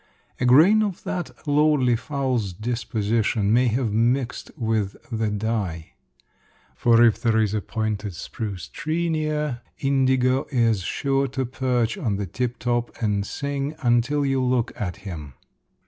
A grain of that lordly fowl's disposition may have mixed with the dye; for if there is a pointed spruce tree near, indigo is sure to perch on the tip top and sing until you look at him.